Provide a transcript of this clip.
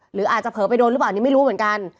หรืออาจจะเผลอไปโดนหรือเปล่านี่ไม่รู้เหมือนกัน